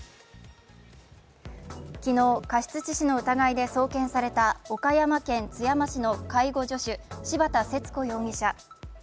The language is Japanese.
昨日、過失致死の疑いで送検された岡山県津山市の介護助手、柴田節子容疑者。